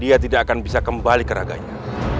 dia tidak akan bisa kembali ke raganya